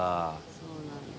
そうなんだ。